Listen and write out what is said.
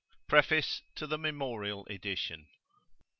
xv] PREFACE TO THE MEMORIAL EDITION.